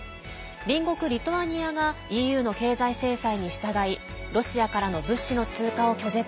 隣国リトアニアがＥＵの経済制裁に従いロシアからの物資の通過を拒絶。